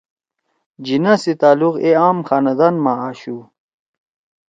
جناح سی تعلق اے عام خاندان ما آشُو